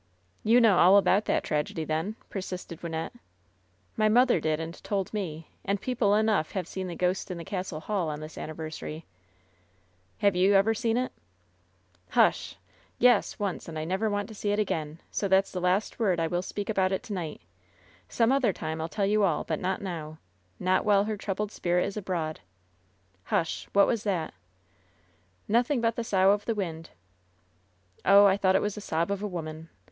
"You know all about that tragedy, then?" persisted Wynnette. "My mother did, and told me. And people enough have seen the ghost in the castle hall on this anniver* sary." LOVERS BITTEREST CUP 866 'TIavo you ever seen it ?" ^'Hush I Yes, once ; and I never want to see it again. So that^s the last word I will speak about it to ni^t Some other time FU tell you all, but not now. Not while her troubled spirit is abroad. Hush! What was that?" "Nothing but a sough of the wind.'' "Oh, I thought it was the sob of a woman.